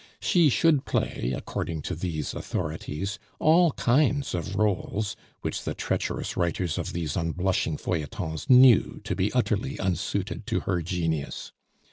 She should play (according to these authorities) all kind of roles, which the treacherous writers of these unblushing feuilletons knew to be utterly unsuited to her genius.